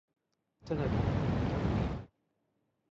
真係同人唔同命